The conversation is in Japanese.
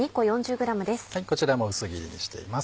こちらも薄切りにしています。